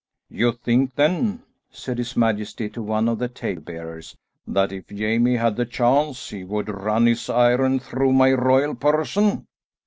"You think, then," said his majesty to one of the tale bearers, "that if Jamie had the chance he would run his iron through my royal person?"